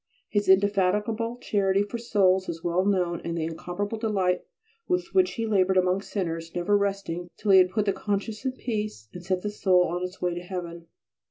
His indefatigable charity for souls is well known, and the incomparable delight with which he laboured amongst sinners, never resting till he had put the conscience in peace and set the soul on its way to heaven.